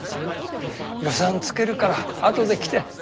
予算つけるから後で来て。